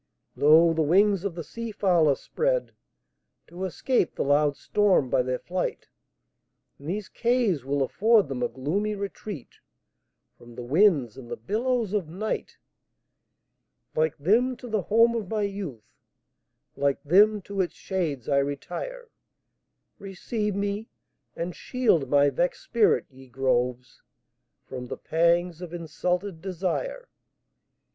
Lo! the wings of the sea fowl are spreadTo escape the loud storm by their flight; And these caves will afford them a gloomy retreatFrom the winds and the billows of night; Like them, to the home of my youth, Like them, to its shades I retire; Receive me, and shield my vexed spirit, ye groves, From the pangs of insulted desire!